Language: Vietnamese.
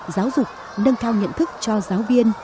giáo dục nâng cao nhận thức cho giáo viên